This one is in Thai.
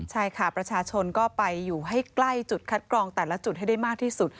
ใช่ค่ะประชาชนก็ไปอยู่ให้ใกล้จุดคัดกรองแต่ละจุดให้ได้มากที่สุด